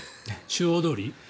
中央通り？